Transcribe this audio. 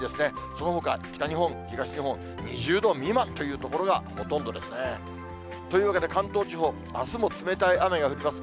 そのほか北日本、東日本、２０度未満という所がほとんどですね。というわけで、関東地方、あすも冷たい雨が降ります。